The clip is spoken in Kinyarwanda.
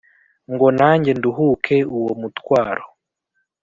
ngo nanjye nduhuke uwo mutwaro